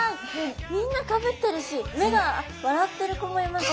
みんなかぶってるし目が笑ってる子もいますね。